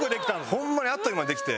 ホンマにあっという間にできて。